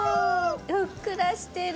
ふっくらしてる。